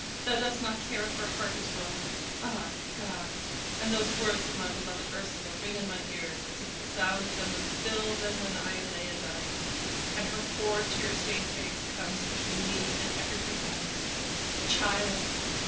Thou dost not care if her heart is broken!' Ah, God! and these words of my heart beloved Ursula ring in my ears as if the sound of them would fill them when I lie a dying. And her poor tear stained face comes between me and everything else. Child!